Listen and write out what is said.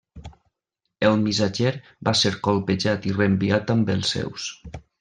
El missatger va ser colpejat i reenviat amb els seus.